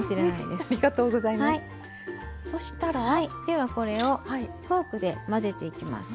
ではこれをフォークで混ぜていきます。